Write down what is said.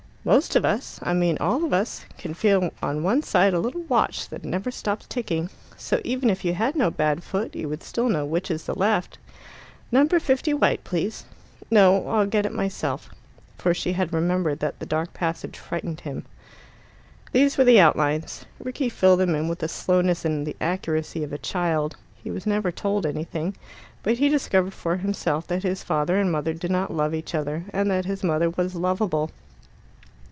"Most of us I mean all of us can feel on one side a little watch, that never stops ticking. So even if you had no bad foot you would still know which is the left. No. 50 white, please. No; I'll get it myself." For she had remembered that the dark passage frightened him. These were the outlines. Rickie filled them in with the slowness and the accuracy of a child. He was never told anything, but he discovered for himself that his father and mother did not love each other, and that his mother was lovable.